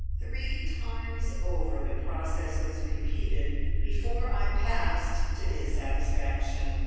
Three times over the process was repeated before I "passed" to his satisfaction.